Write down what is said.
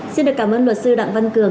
xin được cảm ơn luật sư đọng văn cường